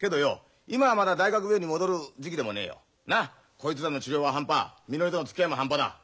こいつらの治療は半端みのりとのつきあいも半端だ。